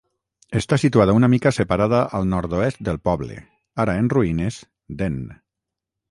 Està situada una mica separada al nord-oest del poble, ara en ruïnes, d'En.